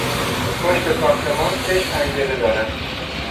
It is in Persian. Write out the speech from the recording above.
پشت ساختمان شش پنجره دارد.